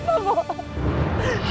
pak kauh hari